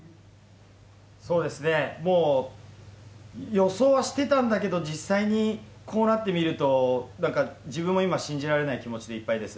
そうですね、予想はしてたんだけど、実際にこうなってみると、なんか自分も今、信じられない気持ちでいっぱいです。